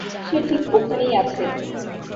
সে ঠিক ওখানেই আছে!